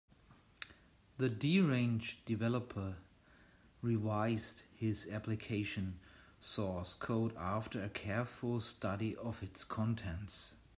The deranged developer revised his application source code after a careful study of its contents.